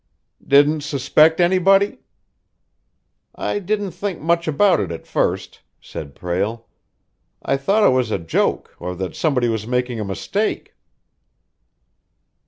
"Didn't suspect anybody?" "I didn't think much about it at first," said Prale. "I thought it was a joke, or that somebody was making a mistake."